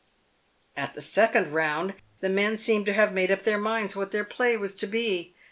At the second round, the men seemed to have made up their minds what their play was to be.